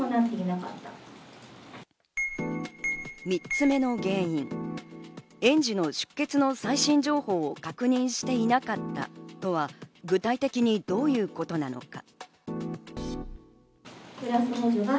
３つ目の原因、園児の出欠の最新情報を確認していなかったとは具体的にどういうことなのか？